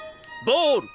ボール。